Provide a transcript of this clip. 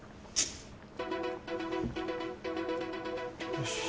よし。